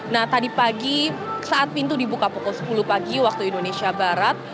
nah tadi pagi saat pintu dibuka pukul sepuluh pagi waktu indonesia barat